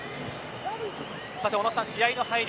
小野さん、試合の入り